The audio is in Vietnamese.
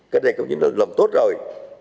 cái này không chỉ là lầm tốt rồi